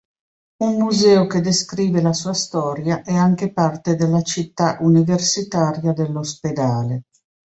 Un museo che descrive la sua storia è anche parte della città universitaria dell'ospedale.